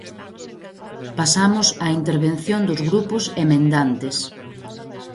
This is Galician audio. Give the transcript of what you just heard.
Pasamos á intervención dos grupos emendantes.